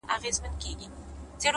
• يو لوى دښت وو راټول سوي انسانان وه,